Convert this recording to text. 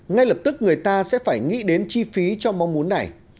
ngay lập tức người ta sẽ phải nghĩ đến chi phí cho mong muốn này